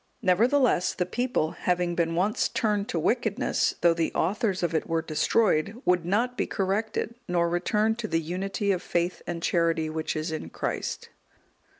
Nevertheless, the people, having been once turned to wickedness, though the authors of it were destroyed, would not be corrected, nor return to the unity of faith and charity which is in Christ.